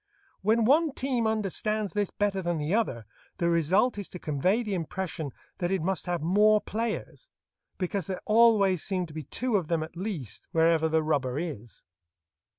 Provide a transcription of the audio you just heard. When one team understands this better than the other, the result is to convey the impression that it must have more players, because there always seem to be two of them at least wherever the rubber is.